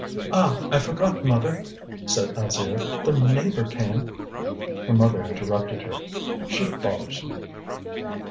"Ah! I forgot, mother," said Alzire. "The neighbour came " Her mother interrupted her. "She bothers me!"